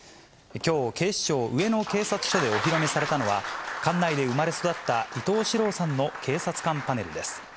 きょう、警視庁上野警察署でお披露目されたのは、管内で生まれ育った伊東四朗さんの警察官パネルです。